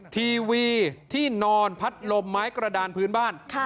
ทีวีที่นอนพัดลมไม้กระดานพื้นบ้าน